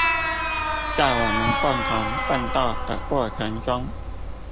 在我們共同奮鬥的過程中